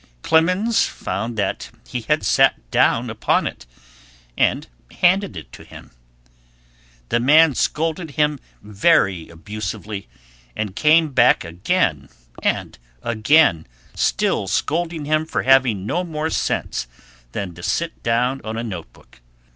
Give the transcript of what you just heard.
Clemens found that he had sat down upon it, and handed it to him; the man scolded him very abusively, and came back again and again, still scolding him for having no more sense than to sit down on a note book.